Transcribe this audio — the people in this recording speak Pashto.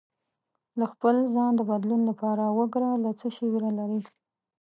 د خپل ځان د بدلون لپاره وګره له څه شي ویره لرې